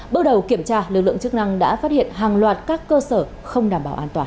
bước đầu kiểm tra lực lượng chức năng đã phát hiện hàng loạt các cơ sở không đảm bảo an toàn